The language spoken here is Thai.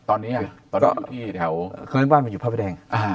ตอนนี้อยู่ที่แถวเข้นทางบ้านอยู่ภาพแพร่แดง